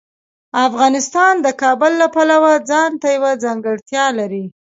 افغانستان د کابل له پلوه ځانته یوه ځانګړتیا لري.